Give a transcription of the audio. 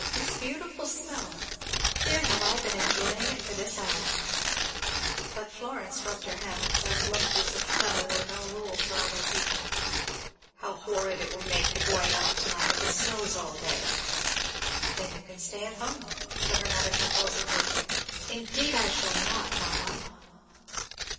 This beautiful snow! Here have I been enjoying it for this hour." But Florence rubbed her hands and looked as if Fleda were no rule for other people. "How horrid it will make the going out to night, if it snows all day!" "Then you can stay at home," said her mother composedly. "Indeed I shall not, mamma!"